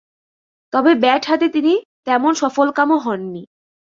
তবে ব্যাট হাতে তিনি তেমন সফলকাম হননি।